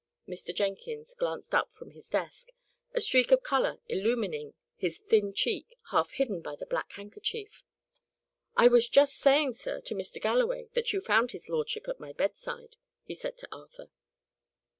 Mr. Jenkins glanced up from his desk, a streak of colour illumining his thin cheek, half hidden by the black handkerchief. "I was just saying, sir, to Mr. Galloway, that you found his lordship at my bedside," he said to Arthur.